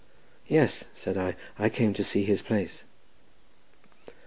"Yes," said I; "I came to see his place."